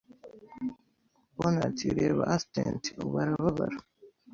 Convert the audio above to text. Bonatti reba Asdent ubu arababara